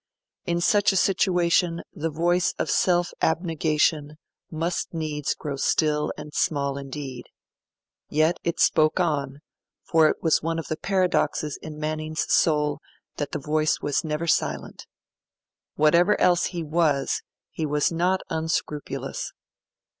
In such a situation the voice of self abnegation must needs grow still and small indeed. Yet it spoke on, for it was one of the paradoxes in Manning's soul that that voice was never silent. Whatever else he was, he was not unscrupulous.